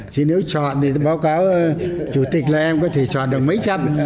chỉ nếu chọn thì báo cáo chủ tịch là em có thể chọn được mấy